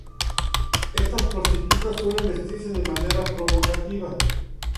Estas prostitutas suelen vestirse de manera provocativa.